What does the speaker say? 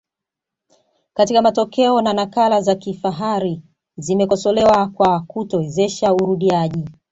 katika matokeo na nakala za kifahari zimekosolewa kwa kutowezesha urudiaji